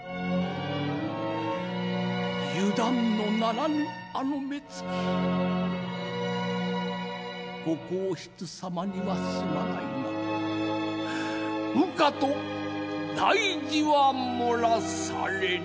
油断のならぬあの目つき御後室様にはすまないがうかと大事はもらされぬ。